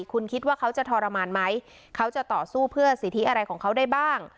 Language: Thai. คุณคิดว่าเขาจะทรมานไหมเขาจะต่อสู้เพื่อสิทธิอะไรของเขาได้บ้าง